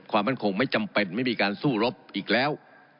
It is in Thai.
ความมั่นคงไม่จำเป็นไม่มีการสู้รบอีกแล้ว